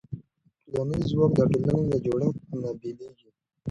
ټولنیز ځواک د ټولنې له جوړښت نه بېلېږي.